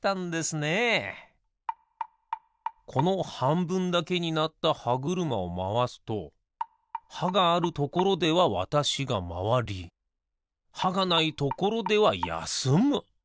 このはんぶんだけになったはぐるまをまわすとはがあるところではわたしがまわりはがないところではやすむ。